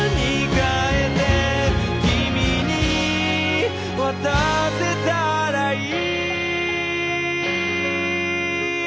「君に渡せたらいい」